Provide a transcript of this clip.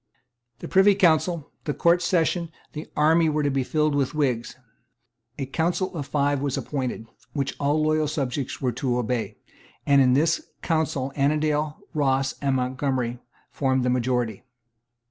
The Privy Council, the Court of Session, the army, were to be filled with Whigs. A Council of Five was appointed, which all loyal subjects were to obey; and in this Council Annandale, Ross and Montgomery formed the majority.